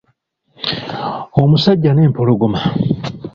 Omusajja n'empologoma.